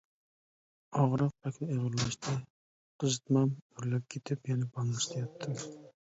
ئاغرىق بەكلا ئېغىرلاشتى، قىزىتمام ئۆرلەپ كېتىپ يەنە بالنىستتا ياتتىم.